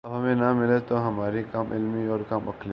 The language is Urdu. اب ہمیں نہ ملے تو ہماری کم علمی اور کم عقلی